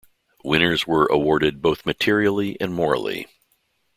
Winners were awarded both materially and morally.